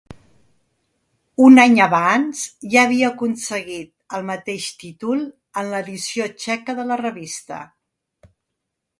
Un any abans ja havia aconseguit el mateix títol en l'edició txeca de la revista.